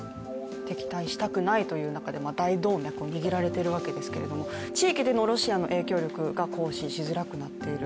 敵対したくないという中で大動脈を握られているわけですけど地域でのロシアの影響力が行使しづらくなっている。